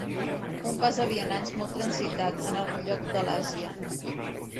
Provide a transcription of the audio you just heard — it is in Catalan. Un pas de vianants molt transitat, en algun lloc de l'Àsia.